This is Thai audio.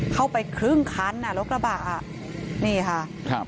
เข้าไปครึ่งคันอ่ะรถกระบะอ่ะนี่ค่ะครับ